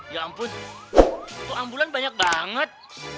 ya ampun untuk ambulan banyak banget